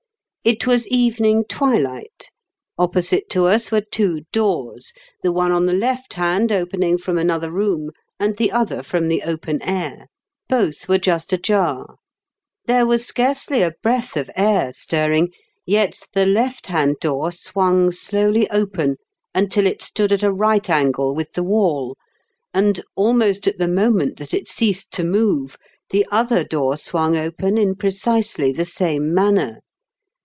It was evening twilight. Opposite to us were two doors, the one on the left hand opening from another room, and the other from the open air. Both were just ajar. There was scarcely a breath of air stirring, yet the left hand door swung slowly open until it stood at a right angle with the wall, and, almost at the moment that it ceased to move, the other door swung open in precisely the same manner.